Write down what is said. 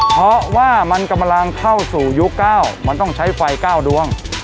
เพราะว่ามันกำลังเข้าสู่ยุค๙มันต้องใช้ไฟ๙ดวง